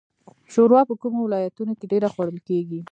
شوروا په کومو ولایتونو کې ډیره خوړل کیږي؟